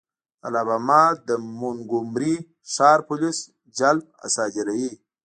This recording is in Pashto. د الاباما د مونګومري ښار پولیس جلب صادروي.